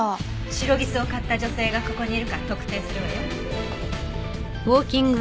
シロギスを買った女性がここにいるか特定するわよ。